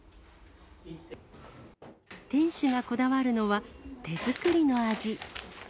店主がこだわるのは、手作りの味。